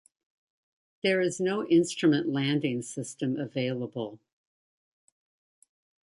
There is no instrument landing system available.